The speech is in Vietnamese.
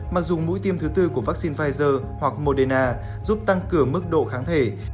mặc dù mũi tiêm thứ tư của vaccine pfizer hoặc moderna giúp tăng cường mức độ kháng thể